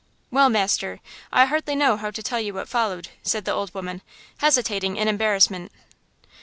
"Well, master, I hardly know how to tell you what followed," said the old woman, hesitating in embarrassment.